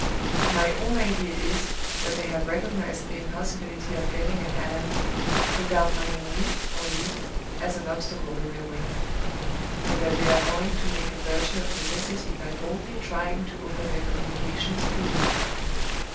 "My own idea is, that they have recognized the impossibility of getting at Allan, without finding me (or you) as an obstacle in their way; and that they are going to make a virtue of necessity by boldly trying to open their communications through me.